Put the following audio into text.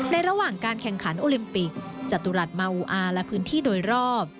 ระหว่างการแข่งขันโอลิมปิกจตุรัสมาอูอาและพื้นที่โดยรอบ